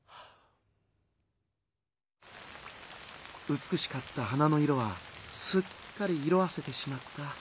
「美しかった花の色はすっかり色あせてしまった。